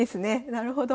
なるほど。